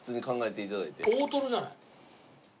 大トロじゃない？